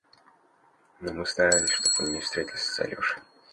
Но мы старались, чтоб он не встретился с Алешей.